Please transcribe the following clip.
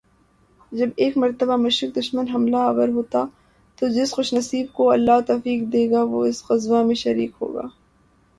جب ایک مرتبہ مشرک دشمن حملہ آور ہو گا، تو جس خوش نصیب کو اللہ توفیق دے گا وہ اس غزوہ میں شریک ہوگا۔۔